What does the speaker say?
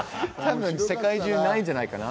世界中、ないんじゃないかな。